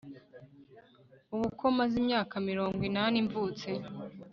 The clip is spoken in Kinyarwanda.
ubu ko maze imyaka mirongo inani mvutse